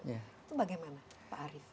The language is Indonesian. itu bagaimana pak arief